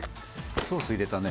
ソース入れたね。